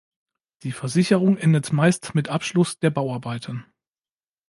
Die Versicherung endet meist mit Abschluss der Bauarbeiten.